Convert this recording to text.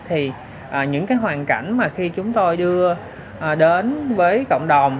thì những cái hoàn cảnh mà khi chúng tôi đưa đến với cộng đồng